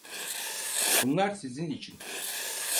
Bunlar sizin için.